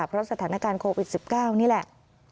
เพราะสถานการณ์โควิด๑๙นี่แหละ